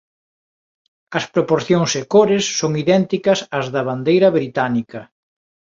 As proporcións e cores son idénticas ás da bandeira británica.